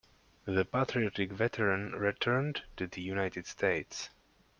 The patriotic veteran returned to the United States.